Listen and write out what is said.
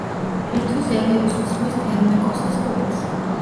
ერთვის ეგეოსის ზღვის თერმეკოსის ყურეს.